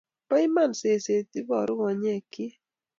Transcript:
Bo iman seset, iboru konyekchi